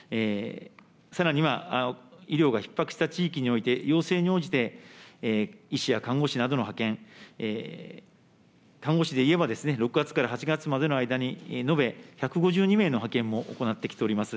さらには医療がひっ迫した地域において、要請に応じて医師や看護師などの派遣、看護師でいえば、６月から８月までの間に延べ１５２名の派遣も行ってきております。